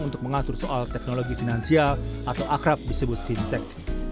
untuk mengatur soal teknologi finansial atau akrab disebut fintech